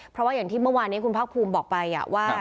เพราะว่าอย่างที่เมื่อวานเนี่ยคุณพระพูมบอกไปอะว่า